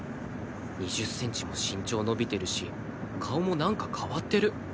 ２０センチも身長伸びてるし顔もなんか変わってる